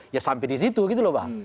ya sampai di situ gitu loh bang